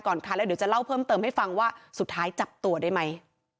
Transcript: ก่อนขนาดที่จะเล่าเยอะเติมให้ฟังว่าจับตัวได้ไหม